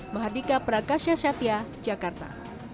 mahardika prakasyasatiya jakarta